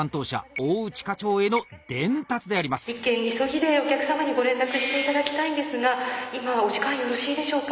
１件急ぎでお客様にご連絡して頂きたいんですが今お時間よろしいでしょうか？